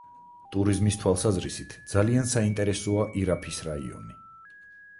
ტურიზმის თვალსაზრისით ძალიან საინტერესოა ირაფის რაიონი.